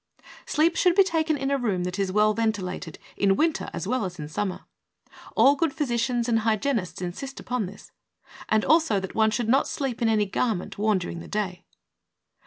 Sleep should be taken in a room that is well ventilated in Winter as well as in Sum mer. All good physicians and hygienists insist upon this, and also that one should not sleep in any garment worn during the day.